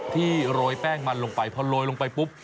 โรยแป้งมันลงไปพอโรยลงไปปุ๊บ